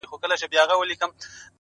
• گرانه شاعره له مودو راهسي؛